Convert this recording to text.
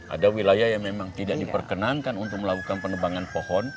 ada wilayah yang memang tidak diperkenankan untuk melakukan penebangan pohon